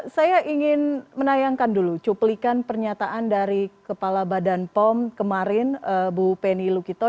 saya ingin menayangkan dulu cuplikan pernyataan dari kepala badan pom kemarin bu penny lukito